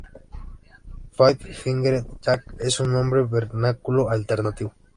Five-fingered Jack es un nombre vernáculo alternativo.